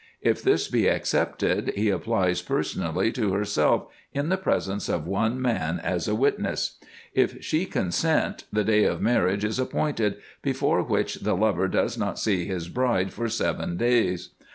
If this be accepted, he applies personally to herself, in the presence of one man as a witness. If she consent, the day of marriage is ap pointed, before winch the lover does not see his bride for seven days.